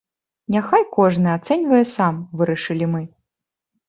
Няхай кожны ацэньвае сам, вырашылі мы.